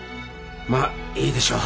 まあいいでしょう。